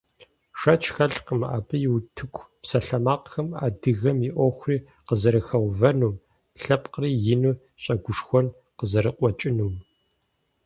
Шэч хэлъкъым, абы и утыку псалъэмакъхэм адыгэм и Ӏуэхури къызэрыхэувэнум, лъэпкъри ину щӀэгушхуэн къызэрыкъуэкӀынум.